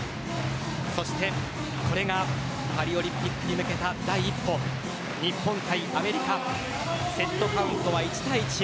そして、これがパリオリンピックに向けた第一歩日本対アメリカセットカウントは１−１。